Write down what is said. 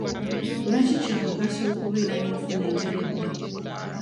Lwaki kya mugaso okubeera n'enfuna eteredde?